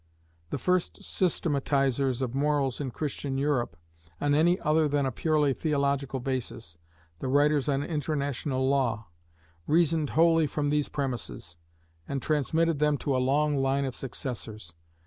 The first systematizers of morals in Christian Europe, on any other than a purely theological basis, the writers on International Law, reasoned wholly from these premises, and transmitted them to a long line of successors.